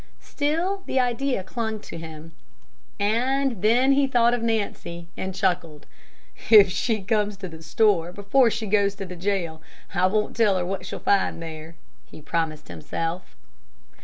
Still, the idea clung to him. And then he thought of Nancy, and chuckled. "If she comes to the store before she goes to the jail I won't tell her what she'll find there," he promised himself.